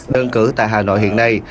đơn cử tại hà nội hiện nay